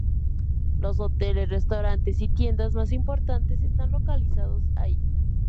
Los hoteles, restaurantes y tiendas más importantes están localizados ahí.